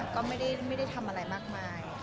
ก็ไม่ได้ทำอะไรมากมาย